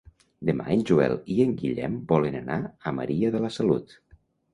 Demà en Joel i en Guillem volen anar a Maria de la Salut.